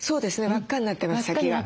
輪っかになってます先が。